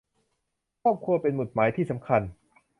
ครอบครัวเป็นหมุดหมายที่สำคัญ